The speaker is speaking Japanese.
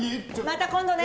また今度ね。